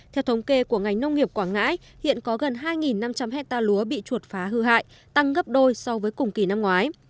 theo thống kê của ngành nông nghiệp quảng ngãi hiện có gần hai năm trăm linh hectare lúa bị chuột phá hư hại tăng gấp đôi so với cùng kỳ năm ngoái